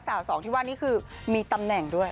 สาวสองที่ว่านี่คือมีตำแหน่งด้วย